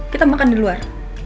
kita makan di luar